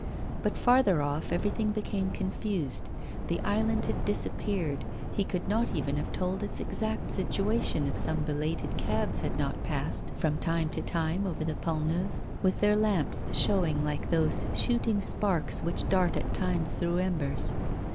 But farther off everything became confused, the island had disappeared, he could not even have told its exact situation if some belated cabs had not passed from time to time over the Pont Neuf, with their lamps showing like those shooting sparks which dart at times through embers.